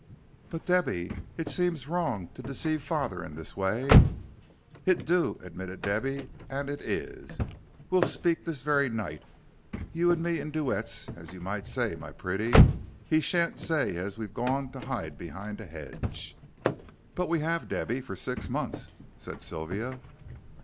"But, Debby, it seems wrong to deceive father in this way." "It do," admitted Debby, "and it is. We'll speak this very night you and me in duets, as you might say, my pretty. He sha'n't say as we've gone to hide behind a hedge." "But we have, Debby, for six months," said Sylvia.